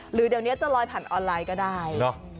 หรือเดี๋ยวนี้จะลอยผ่านออนไลน์ก็ได้